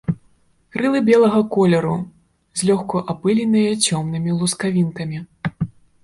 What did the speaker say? Крылы белага колеру, злёгку апыленыя цёмнымі лускавінкамі.